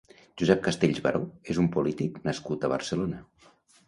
Josep Castells Baró és un polític nascut a Barcelona.